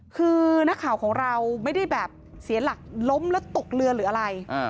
คือนักข่าวของเราไม่ได้แบบเสียหลักล้มแล้วตกเรือหรืออะไร